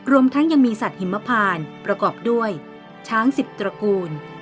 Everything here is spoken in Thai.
รวมทั้งยังมีสัตว์หิมพานประกอบด้วยช้าง๑๐ตระกูล